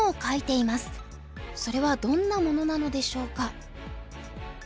それはどんなものなのでしょうか？